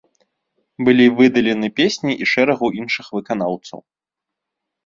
Былі выдалены песні і шэрагу іншых выканаўцаў.